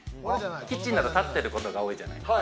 キッチンだと立ってることが多いじゃないですか。